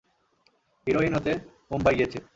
Heroine হতে মুম্বাই গিয়েছে।